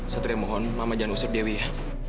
satria mohon mama jangan usap dewi ya